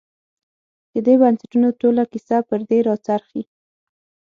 د دې بنسټونو ټوله کیسه پر دې راڅرخي.